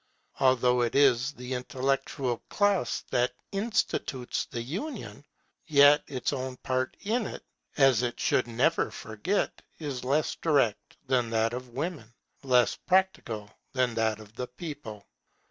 Although it is the intellectual class that institutes the union, yet its own part in it, as it should never forget, is less direct than that of women, less practical than that of the people.